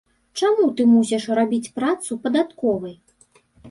Чаму ты мусіш рабіць працу падатковай?!